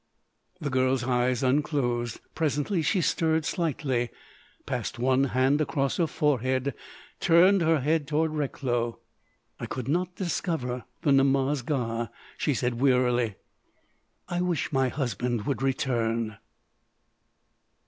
The girl's eyes unclosed. Presently she stirred slightly, passed one hand across her forehead, turned her head toward Recklow. "I could not discover the Namaz Ga," she said wearily. "I wish my husband would return."